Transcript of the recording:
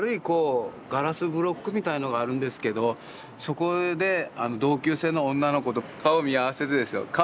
こうガラスブロックみたいのがあるんですけどそこで同級生の女の子と顔見合わせてですよ。